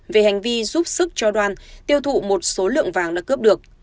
về hành vi giúp sức cho đoan tiêu thụ một số lượng vàng đã cướp được